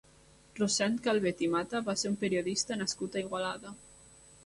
Rossend Calvet i Mata va ser un periodista nascut a Igualada.